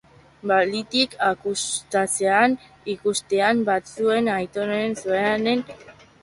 Baliteke akusatuek akusazioetako batzuk aitortzea, zigorrak arintzearen truke.